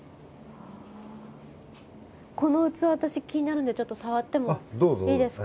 この器私気になるんでちょっと触ってもいいですか？